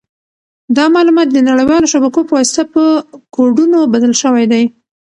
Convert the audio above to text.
دا معلومات د نړیوالو شبکو په واسطه په کوډونو بدل شوي دي.